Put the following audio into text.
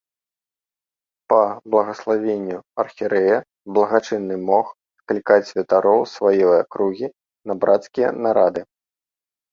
Па благаславенню архірэя благачынны мог склікаць святароў сваёй акругі на брацкія нарады.